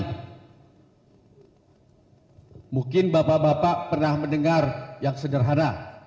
mungkin bapak bapak pernah mendengar yang sederhana